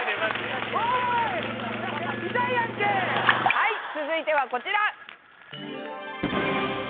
はい続いてはこちら！